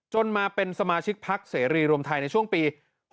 จนมาเป็นสมาชิกภักดิ์เสรีรวมไทยในช่วงปี๖๔๖๖